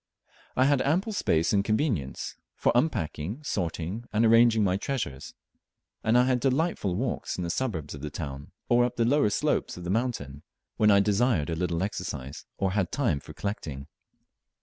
I had ample space and convenience or unpacking, sorting, and arranging my treasures, and I had delightful walks in the suburbs of the town, or up the lower slopes of the mountain, when I desired a little exercise, or had time for collecting.